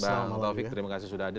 bang taufik terima kasih sudah hadir